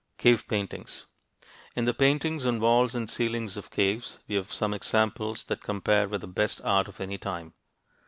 CAVE PAINTINGS In the paintings on walls and ceilings of caves we have some examples that compare with the best art of any time.